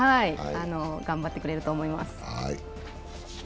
頑張ってくれると思います。